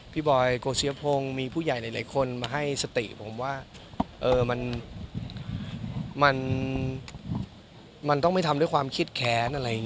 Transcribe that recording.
พี่บอยโกศียพงศ์มีผู้ใหญ่หลายคนมาให้สติผมว่ามันต้องไม่ทำด้วยความคิดแขน